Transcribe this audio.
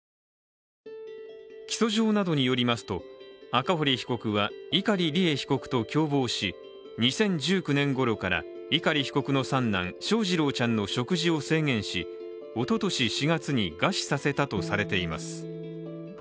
起訴状などによりますと、赤堀被告は碇利恵被告と共謀し２０１９年ごろから碇被告の三男翔士郎ちゃんの食事を制限しおととし４月に餓死させたとされています。